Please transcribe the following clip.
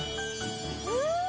うん！